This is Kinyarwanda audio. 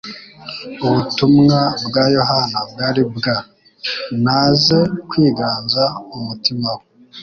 ubutumwa bwa Yohana bwari bwa?naze kwiganza mu mutima we.